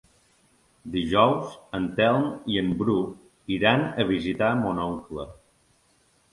Dijous en Telm i en Bru iran a visitar mon oncle.